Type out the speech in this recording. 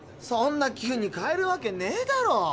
そんな急に買えるわけねえだろ。